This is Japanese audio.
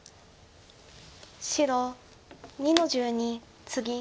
白２の十二ツギ。